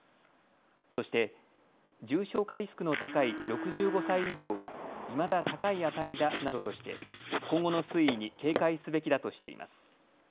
そして重症化リスクの高い６５歳以上はいまだ高い値だなどとして今後の推移に警戒すべきだとしています。